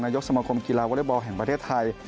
ยกสมคมกีฬาวอเล็กบอลแห่งประเทศไทย